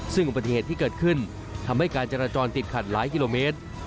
ซึ่งอุบัติเหตุที่เกิดขึ้นทำให้การจราจรติดขัดหลายกิโลเมตร